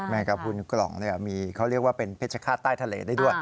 งกระพุนกล่องมีเขาเรียกว่าเป็นเพชรฆาตใต้ทะเลได้ด้วย